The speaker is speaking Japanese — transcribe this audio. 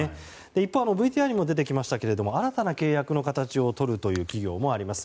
一方、ＶＴＲにも出てきましたが新たな契約の形をとる企業もあります。